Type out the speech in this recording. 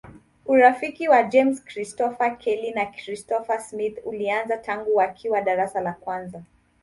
Urafiki wa James Christopher Kelly na Christopher Smith ulianza tangu wakiwa darasa la kwanza.